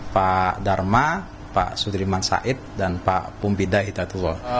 pak dharma pak sudirman said dan pak pumpida hidatullah